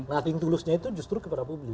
nothing tulusnya itu justru kepada publik